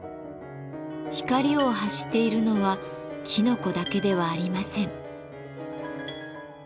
光を発しているのはきのこだけではありません。